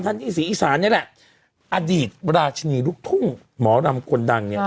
ฮันนี่สีอีสานเนี่ยแหละอดีตบราชินีลุกทุ่งหมอรำกลดังเนี่ยนะฮะ